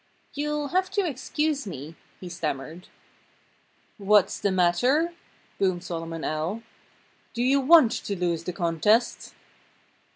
"You'll have to excuse me," he stammered. "What's the matter?" boomed Solomon Owl. "Do you want to lose the contest?"